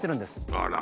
あら！